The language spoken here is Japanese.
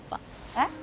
えっ？